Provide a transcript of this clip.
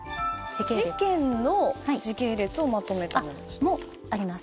事件の時系列をまとめたもの。もあります。